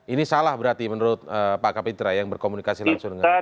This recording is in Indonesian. ini salah berarti menurut pak kapitra yang berkomunikasi langsung dengan